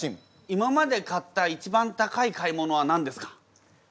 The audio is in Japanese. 今まで買った一番高い買い物は何ですか？